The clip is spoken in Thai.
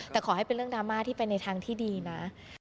แต่ขอให้เป็นเรื่องดราม่าที่ไปในทางที่ดีนะ